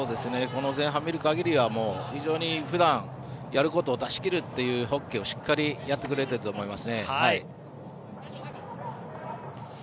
前半見るかぎりはふだんやることを出しきるというホッケーをしっかりやってくれてると思います。